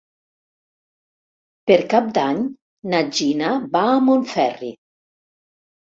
Per Cap d'Any na Gina va a Montferri.